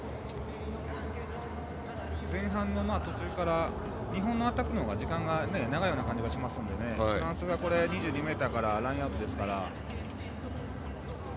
前半途中から日本のアタックのほうが時間が長いような感じがしますのでフランスが２２ｍからラインアウトですから。